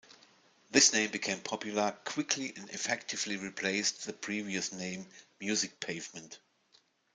This name became popular quickly and effectively replaced the previous name "music Pavement".